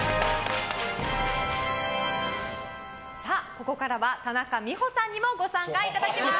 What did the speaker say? ここからは田中美保さんにもご参加いただきます。